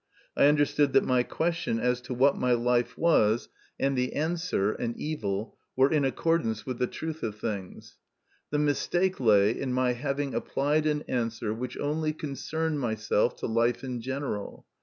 I understood that my question as to what my life was, and the 102 MY CONFESSION. 103 answer, an evil, were in accordance with the truth of things. The mistake lay in my having applied an answer which only concerned myself to life in general.